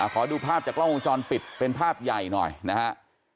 ขอดูภาพจากกล้องวงจรปิดเป็นภาพใหญ่หน่อยนะฮะ